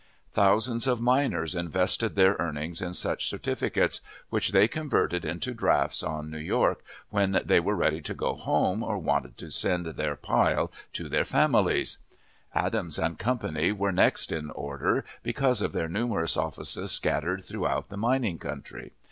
Thousands of miners invested their earnings in such certificates, which they converted into drafts on New York, when they were ready to go home or wanted to send their "pile" to their families. Adams & Co. were next in order, because of their numerous offices scattered throughout the mining country.